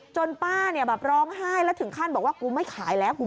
ป้าร้องไห้แล้วถึงขั้นบอกว่ากูไม่ขายแล้วคุณ